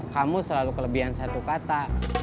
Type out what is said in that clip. kamu selalu kelebihan satu kata